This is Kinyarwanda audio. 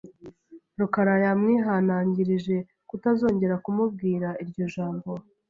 Rukara yamwihanangirije kutazongera kumubwira iryo jambo,